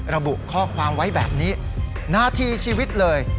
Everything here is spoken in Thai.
ระบุข้อความไว้แบบนี้นาทีชีวิตเลย